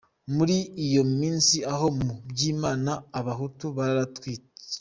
Muri iyo minsi aho mu Byimana abahutu baratwikiwe.